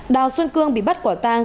đào xuân cương bị bắt quả tang